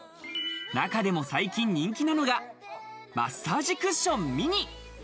中でも最近人気なのが「マッサージクッションミニ」。